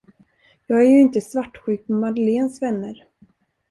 Jag är ju inte svartsjuk på Madeleines vänner.